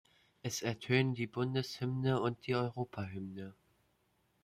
Es ertönen die Bundeshymne und die Europahymne.